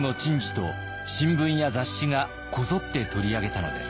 と新聞や雑誌がこぞって取り上げたのです。